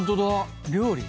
料理。